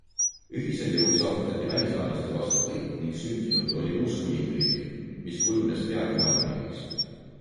Ühisel jõul saavutati välisvaenlaste vastu võit ning sündinud oli uus kuningriik, mis kujunes peagi maailmariigiks.